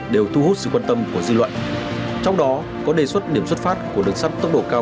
đều thu hút sự quan tâm của dư luận trong đó có đề xuất điểm xuất phát của đường sắt tốc độ cao